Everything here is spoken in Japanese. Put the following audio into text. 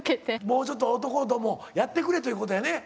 もうちょっと男どもやってくれということやね。